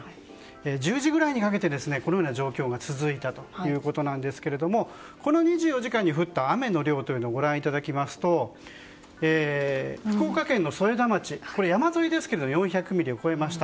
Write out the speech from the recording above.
１０時ぐらいにかけてこのような状況が続いたんですがこの２４時間に降った雨の量をご覧いただきますと福岡県の添田町、山沿いですが４００ミリを超えました。